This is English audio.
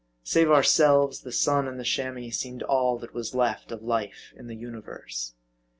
Save ourselves, the sun and the Chamois seemed all that was left of life in the universe.